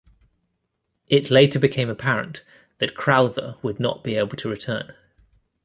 It later became apparent that Crowther would not be able to return.